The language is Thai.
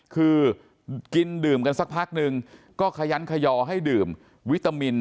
คือกินดื่มกันสักพักนึงก็ขยันขยอให้ดื่มวิตามิน